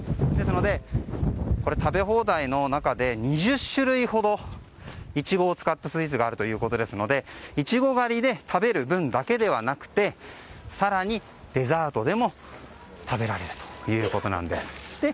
ですので、食べ放題の中で２０種類ほどイチゴを使ったスイーツがあるということですのでイチゴ狩りで食べる分だけではなくて更にデザートでも食べられるということなんです。